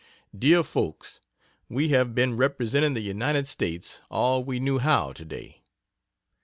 DEAR FOLKS, We have been representing the United States all we knew how today.